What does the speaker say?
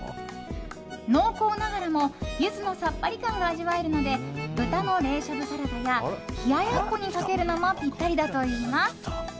濃厚ながらもユズのさっぱり感が味わえるので豚の冷しゃぶサラダや冷ややっこにかけるのもぴったりだといいます。